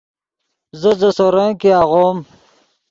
ژے سورن کہ آغوم